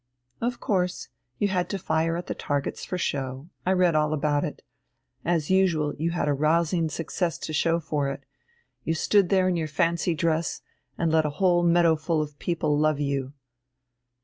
"Of course, you had to fire at the targets for show. I read all about it. As usual, you had a rousing success to show for it. You stood there in your fancy dress, and let a whole meadowful of people love you."